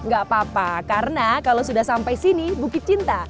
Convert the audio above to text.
gak apa apa karena kalau sudah sampai sini bukit cinta